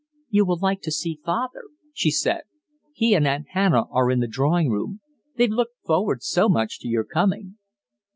"You will like to see father," she said. "He and Aunt Hannah are in the drawing room; they've looked forward so much to your coming."